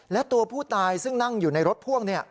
และตัวผู้ตายซึ่งนั่งอยู่ในรถพ่วง